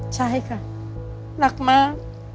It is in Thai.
ใช่ค่ะรักมาก